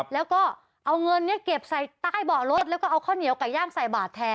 แล้วก็เอาเงินเก็บใส่ใต้เบาะรถแล้วก็เอาข้าวเหนียวไก่ย่างใส่บาทแทน